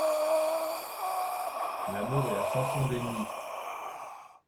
L'amour est la chanson des nids ;